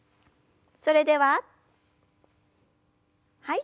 それでははい。